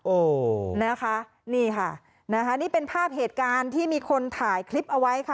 โอ้โหนะคะนี่ค่ะนะคะนี่เป็นภาพเหตุการณ์ที่มีคนถ่ายคลิปเอาไว้ค่ะ